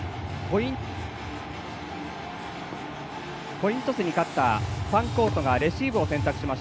コイントスに勝ったファンコートがレシーブを選択。